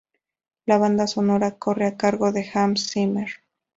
La banda sonora corre a cargo de Hans Zimmer.